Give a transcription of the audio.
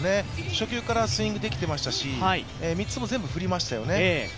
初球からスイングできてましたし３つも全部振りましたよね。